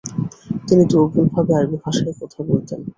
তিনি দুর্বলভাবে আরবী ভাষায় কথা বলতেন।